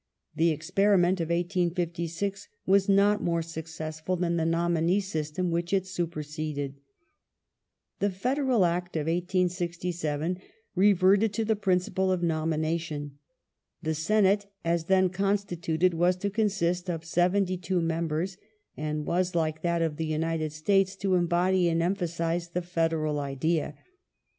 The experiment of 1856 was not more suc cessful than the nominee system which it supei seded.^ The Federal Act of 1867 reverted to the principle of nomina tion. The Senate, as then constituted, was to consist of seventy two members, and was, like that of the United States, to embody and emphasize the federal idea.